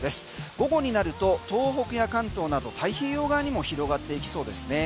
午後になると東北や関東など太平洋側にも広がっていきそうですね。